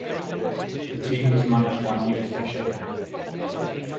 The team was managed by Newt Fisher.